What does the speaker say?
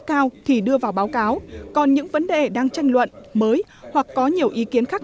cao thì đưa vào báo cáo còn những vấn đề đang tranh luận mới hoặc có nhiều ý kiến khác